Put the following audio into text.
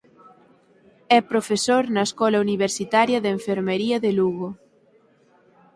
É profesor na Escola Universitaria de Enfermaría de Lugo.